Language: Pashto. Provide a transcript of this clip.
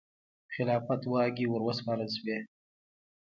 خلافت واګې وروسپارل شوې.